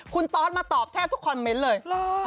คุณตอสมาตอบแทบทุกคอมเมนต์เลย